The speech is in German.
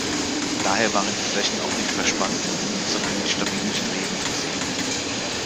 Daher waren die Flächen auch nicht verspannt, sondern mit stabilen Streben versehen.